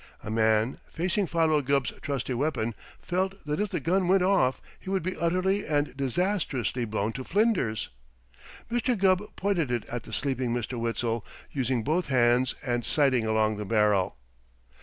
A man, facing Philo Gubb's trusty weapon, felt that if the gun went off he would be utterly and disastrously blown to flinders. Mr. Gubb pointed it at the sleeping Mr. Witzel, using both hands, and sighting along the barrel.